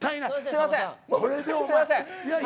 すいません。